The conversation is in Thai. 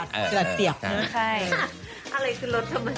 อะไรคือรถธรรมชาติ